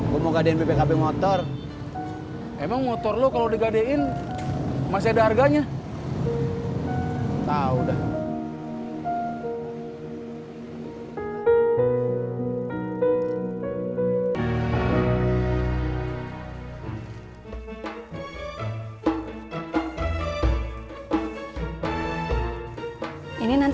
sampai jumpa di video selanjutnya